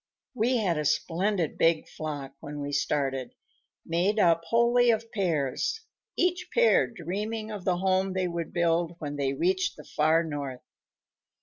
"We had a splendid big flock when we started, made up wholly of pairs, each pair dreaming of the home they would build when they reached the far North.